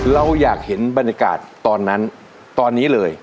เราอยากเห็นบรรยากาศตอนนั้นตอนนี้เลย